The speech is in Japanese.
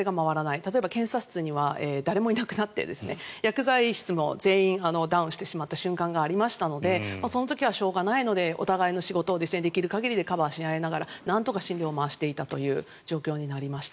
例えば、検査室には誰もいなくなって薬剤室も全員ダウンしてしまった瞬間がありましたのでその時はしょうがないのでお互いの仕事をできる限りでカバーし合いながらなんとか診療を回していたという状況でした。